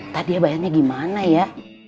tadi bayangnya gimana ya